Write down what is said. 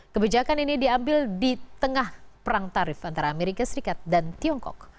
kebijakan ini diambil di tengah perang tarif antara amerika serikat dan tiongkok